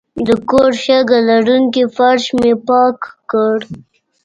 د کور شګه لرونکی فرش مې پاک کړ.